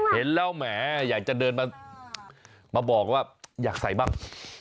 เห็นแล้วแหมอยากจะเดินมาบอกว่าอยากใส่บ้าง